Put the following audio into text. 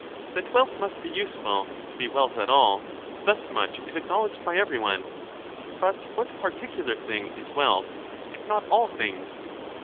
That wealth must be useful, to be wealth at all, — thus much is acknowledged by every one. But what particular thing is wealth, if not all things?